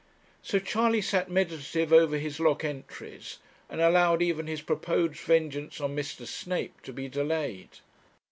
So Charley sat meditative over his lock entries, and allowed even his proposed vengeance on Mr. Snape to be delayed.